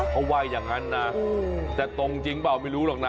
เขาว่าอย่างนั้นนะจะตรงจริงเปล่าไม่รู้หรอกนะ